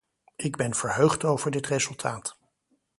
Ik ben verheugd over dit resultaat.